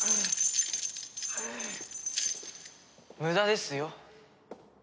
無駄ですよ。